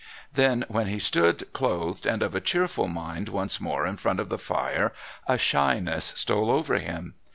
Then when he stood clothed and of a cheerful mind once more in front of the fire a shyness stole over him.